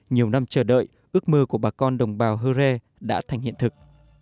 nhiều năm chờ đợi ước mơ của bà con đồng bào hơ rê đã thành hiện thực